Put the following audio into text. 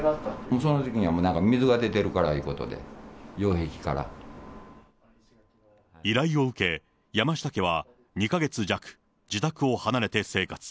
そのときには、水が出てるからいうことで、依頼を受け、山下家は２か月弱、自宅を離れて生活。